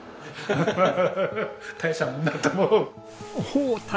ハハハハ。